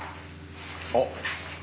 あっ！